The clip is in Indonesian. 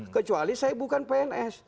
kecuali saya bukan pns